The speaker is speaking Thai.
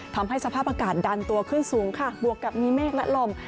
ทำให้สภาพอากาศดันตัวขึ้นสูงค่ะบวกกับมีเมฆและลม